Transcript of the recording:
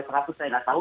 saya tidak tahu